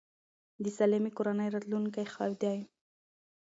د سالمې کورنۍ راتلونکی ښه دی.